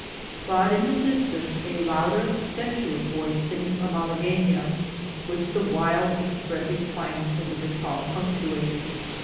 But in the distance a louder, sensuous voice sings a Malaguena, which the wild expressive twangs of the guitar punctuate.